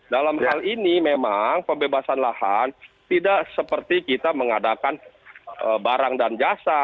dalam hal ini memang pembebasan lahan tidak seperti kita mengadakan barang dan jasa